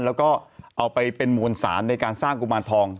แล้วก็เอาไปเป็นมวลสารในการสร้างกุมารทอง